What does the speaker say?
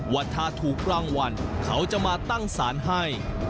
ว่าถ้าถูกรางวัลเขาจะมาตั้งสารให้